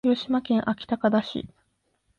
広島県安芸高田市